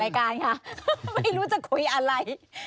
รายการค่ะไม่รู้จะคุยอะไร